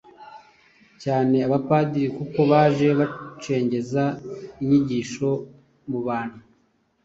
cyane abapadiri kuko baje bacengeza inyigisho mubantu